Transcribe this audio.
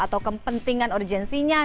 atau kepentingan urgensinya